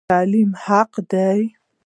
تعلیم حق دی